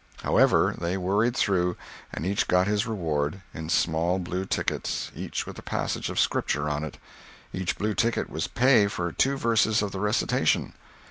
However, they worried through, and each got his reward—in small blue tickets, each with a passage of Scripture on it; each blue ticket was pay for two verses of the recitation.